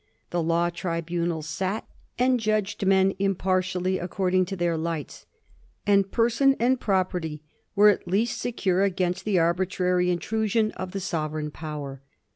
The law tribunals sat and judged men impartially according to their lights, and person and property were at least secure against the arbitrary intrusion of the sovereign power.